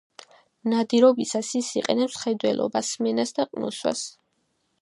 ნადირობისას ის იყენებს მხედველობას, სმენას და ყნოსვას.